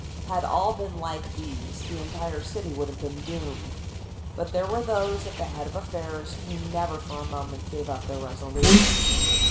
Had all been like these the entire city would have been doomed, but there were those at the head of affairs who never for a moment gave up their resolution.